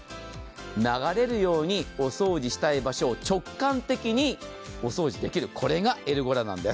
流れるようにお掃除したい場所を直感的にお掃除できる、これがエルゴラなんです。